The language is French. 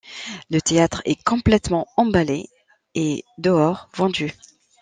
Le théâtre est complètement emballé et dehors vendu.